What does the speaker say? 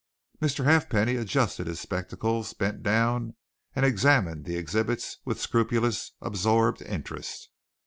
Mr. Halfpenny adjusted his spectacles, bent down, and examined the exhibits with scrupulous, absorbed interest.